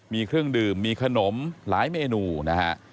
มีเครื่องดื่มมีขนมหลายเมนูนะฮะ